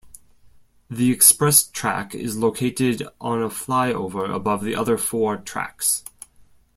The express track is located on a flyover above the other four tracks.